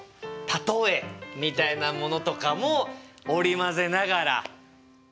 「例え」みたいなものとかも織り交ぜながら。